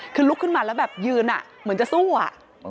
คือลุกขึ้นมาแล้วแบบยืนอ่ะเหมือนจะสู้อ่ะ